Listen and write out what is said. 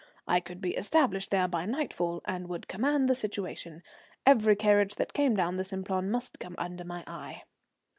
I could be established there by nightfall and would command the situation. Every carriage that came down the Simplon must come under my eye.